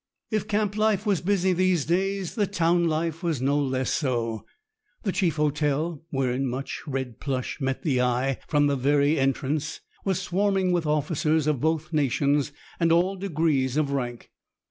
If camp life was busy these days, the town life was no less so. The chief hotel, wherein much red plush met the eye from the very entrance, was swarming with officers of both nations and all degrees of rank.